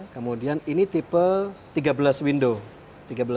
kemudian ini tipe tiga belas window